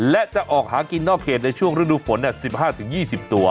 และจะออกหากินนอกเขตในช่วงฤดูฝน๑๕๒๐ตัว